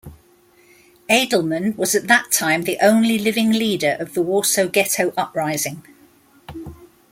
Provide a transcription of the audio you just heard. Edelman was at that time the only living leader of the Warsaw Ghetto Uprising.